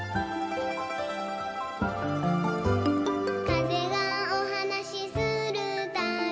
「かぜがおはなしするたび」